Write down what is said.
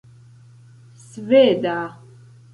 sveda